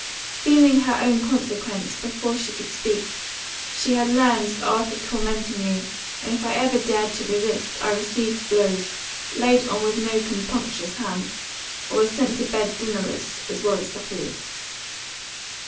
Feeling her own consequence, before she could speak, she had learned the art of tormenting me, and if I ever dared to resist, I received blows, laid on with no compunctious hand, or was sent to bed dinnerless, as well as supperless.